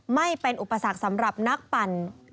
ไม่เป็นอุปสรรคสำหรับนักปั่น